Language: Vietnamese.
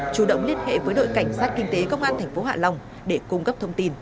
chủ động liên hệ với đội cảnh sát kinh tế công an tp hạ long để cung cấp thông tin